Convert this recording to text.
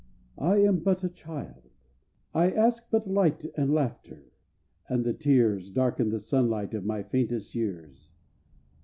I am but a child; I ask but light and laughter, and the tears Darken the sunlight of my fairest years.